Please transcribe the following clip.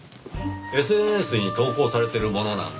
ＳＮＳに投稿されてるものなんですがね。